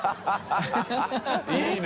いいね。